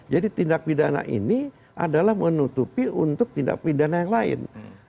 jadi tindak pidana ini adalah menutupi untuk tindak pidana yang lain